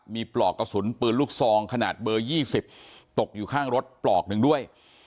มีปลอกกระสุนปืนลูกซองขนาดเบอร์๒๐ตกอยู่ข้างรถปลอกหนึ่งด้วย